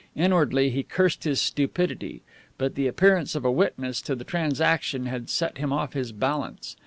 Inwardly he cursed his stupidity. But the appearance of a witness to the transaction had set him off his balance.